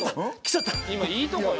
今いいとこよ。